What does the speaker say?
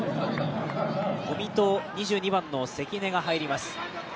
小見と２２番の関根が入ります。